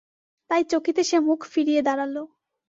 তাই চকিতে সে মুখ ফিরিয়ে দাঁড়াল।